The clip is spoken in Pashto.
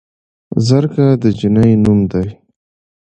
زرکه د جينۍ نوم دے